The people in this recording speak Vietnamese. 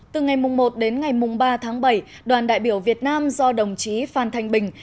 từ ngày một đến ngày ba tháng bảy đoàn đại biểu việt nam do đồng chí phan thanh bình